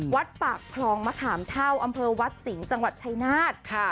วัดปากคลองมะขามเท่าอำเภอวัดสิงห์จังหวัดชายนาฏ